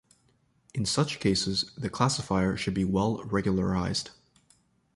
In such cases, the classifier should be well-regularized.